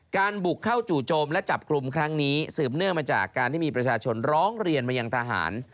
การบุกเข้าจู่โจมและจับกลุ่มครั้งนี้สืบเนื่องมาจากการที่มีประชาชนร้องเรียนมายังทหาร